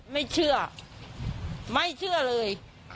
ไม่เชื่อไม่เชื่อเลย